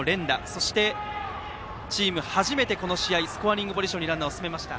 そして、チーム初めてこの試合でスコアリングポジションにランナーを進めました。